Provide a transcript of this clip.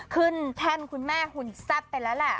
ขึ้นแท่งคุณแม่หุ่นทราบไปแล้วละ